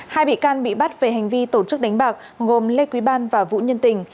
hai bị can bị bắt về hành vi tổ chức đánh bạc gồm lê quý ban và vũ nhân tình